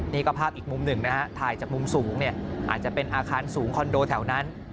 นี่ก็ภาพอีกมุมหนึ่งนะฮะถ่ายจากมุมสูงเนี่ยอาจจะเป็นอาคารสูงคอนโดแถวนั้น